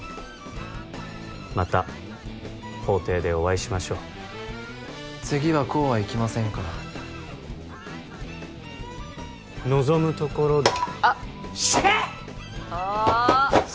また法廷でお会いしましょう次はこうはいきませんから望むところしゃっ！